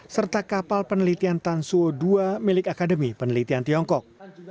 serta kapal penelitian tansuo ii milik akademi penelitian tiongkok